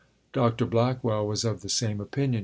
Dr. Blackwell was of the same opinion.